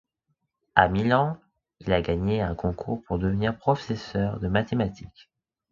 À Milan, il a gagné un concours pour devenir professeur de mathématiques.